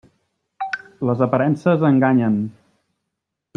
Les aparences enganyen!